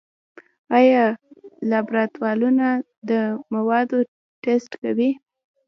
آیا لابراتوارونه د موادو ټسټ کوي؟